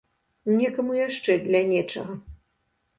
Некаму яшчэ для нечага.